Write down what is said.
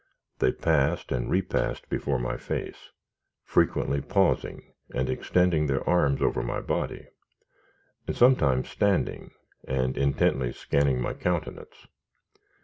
They passed and repassed before my face, frequently pausing and extending their arms over my body, and sometimes standing and intently scanning my countenance.